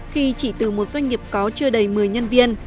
khi chỉ từ một doanh nghiệp có chưa đầy một mươi nhân viên